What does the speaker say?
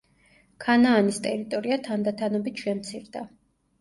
ქანაანის ტერიტორია თანდათანობით შემცირდა.